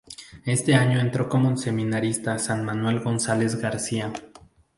Este año entró como seminarista san Manuel González García.